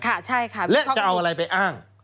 ค่ะใช่ค่ะมีข้ออีกแล้วจะเอาอะไรไปอ้าง